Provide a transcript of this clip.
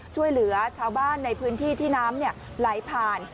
ช่วยเหลือชาวบ้านในพื้นที่ที่น้ำไหลผ่าน